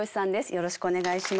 よろしくお願いします。